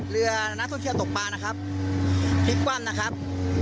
เรือนักท่องเที่ยวตกปลานะครับพลิกคว่ำนะครับ